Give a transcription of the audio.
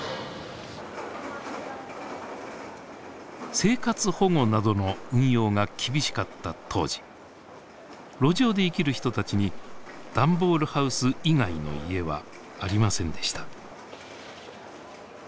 生活保護などの運用が厳しかった当時路上で生きる人たちにダンボールハウス以外の「家」はありませんでした。